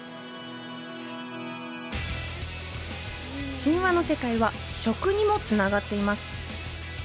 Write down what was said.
神話の世界は食にもつながっています。